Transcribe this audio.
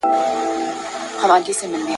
موږ ګټلی دي جنګونه تر ابده به جنګېږو !.